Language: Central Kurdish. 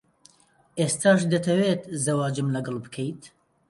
ئێستاش دەتەوێت زەواجم لەگەڵ بکەیت؟